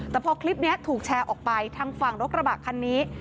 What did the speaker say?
แต่พอคลิปนี้ถูกแชร์ออกไปทางฝั่งรถกระบะคันนี้